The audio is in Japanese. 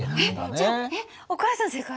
えっじゃあえっお母さん正解？